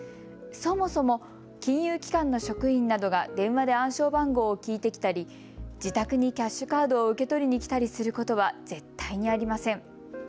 そもそも金融機関の職員などが電話で暗証番号を聞いてきたり自宅にキャッシュカードを受け取りに来たりすることは絶対にありません。